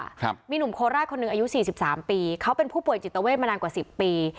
ครับมีหนุ่มโคราชคนหนึ่งอายุสี่สิบสามปีเขาเป็นผู้ป่วยจิตเวทมานานกว่าสิบปี